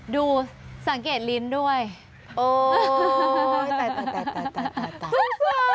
ดูสังเกตลิ้นด้วยโอ้ยตายตายตายตายตายตาย